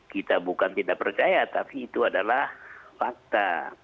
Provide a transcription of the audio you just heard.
kita bukan tidak percaya tapi itu adalah fakta